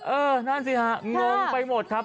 นั่นสิฮะงงไปหมดครับ